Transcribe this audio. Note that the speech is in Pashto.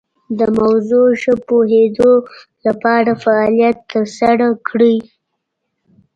د موضوع ښه پوهیدو لپاره فعالیت تر سره کړئ.